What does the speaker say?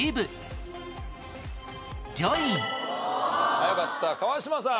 早かった川島さん。